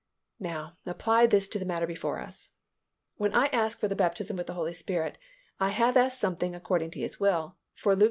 Now apply this to the matter before us. When I ask for the baptism with the Holy Spirit, I have asked something according to His will, for Luke xi.